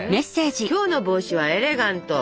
「今日の帽子はエレガント」。